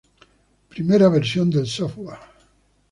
Primera versión del software.